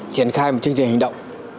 triển khai một chương trình hành động